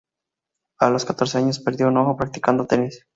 A los catorce años perdió un ojo practicando tenis.